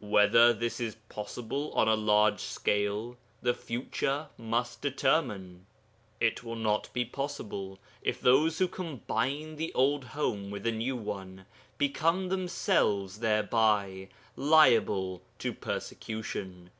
Whether this is possible on a large scale, the future must determine. It will not be possible if those who combine the old home with a new one become themselves thereby liable to persecution.